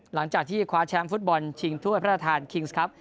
หลังจากที่คว้าแชมป์ฟุตบอลชิงทัวร์พัฒนธานคิงส์ครับ